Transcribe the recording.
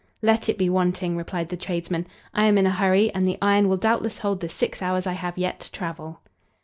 "Let it be wanting," replied the tradesman; "I am in a hurry and the iron will doubtless hold the six hours I have yet to travel."